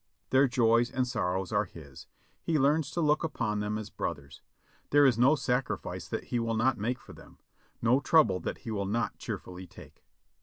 Their joys and sorrows are his ; he learns to look upon them as brothers ; there is no sacrifice that he will not make for them ; no trouble that he will not cheerfully take.